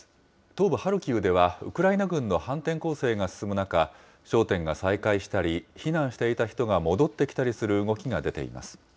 東部ハルキウでは、ウクライナ軍の反転攻勢が進む中、商店が再開したり、避難していた人が戻ってきたりする動きが出ています。